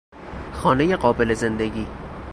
خانهی قابل زندگی